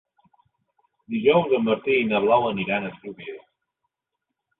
Dijous en Martí i na Blau aniran a l'Atzúbia.